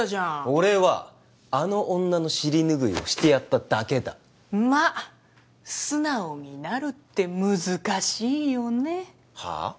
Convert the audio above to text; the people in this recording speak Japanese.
俺はあの女の尻拭いをしてやっただけだまっ素直になるって難しいよねはあ？